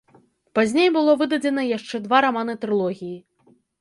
Пазней было выдадзена яшчэ два раманы трылогіі.